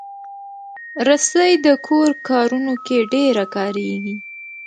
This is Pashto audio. رسۍ د کور کارونو کې ډېره کارېږي.